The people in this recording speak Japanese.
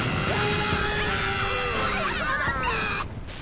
早く戻して！